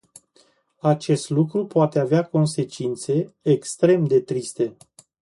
Acest lucru poate avea consecințe extrem de triste.